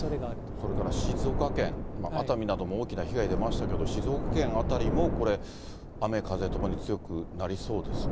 それから静岡県の熱海なども大きな被害が出ましたけれども、静岡県辺りもこれ、雨風ともに強くなりそうですね。